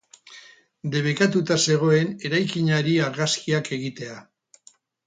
Debekatuta zegoen eraikinari argazkiak egitea.